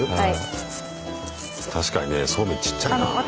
確かにねそうめんちっちゃいなあ。